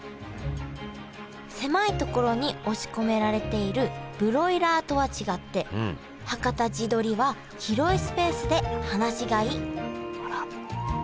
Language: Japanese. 狭いところに押し込められているブロイラーとは違ってはかた地どりは広いスペースで放し飼いあら。